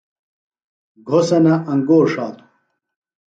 گھوسنہ انگور ݜاتوۡ۔